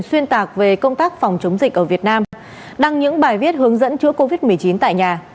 xuyên tạc về công tác phòng chống dịch ở việt nam đăng những bài viết hướng dẫn chữa covid một mươi chín tại nhà